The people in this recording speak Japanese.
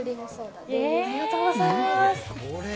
ありがとうございます。